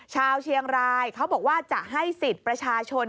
ชาวเชียงรายเขาบอกว่าจะให้สิทธิ์ประชาชน